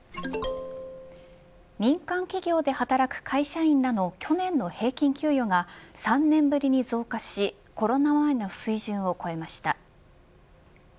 民間企業で働く会社員らの去年の平均給与が３年ぶりに増加しコロナ前の水準を超えました。